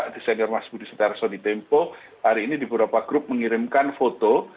desainer mas budi setiarso di tempo hari ini di beberapa grup mengirimkan foto